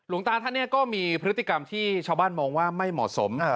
ตาท่านเนี่ยก็มีพฤติกรรมที่ชาวบ้านมองว่าไม่เหมาะสม